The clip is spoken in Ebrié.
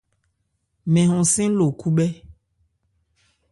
Mɛn hɔnsɛ́n lo khúbhɛ́.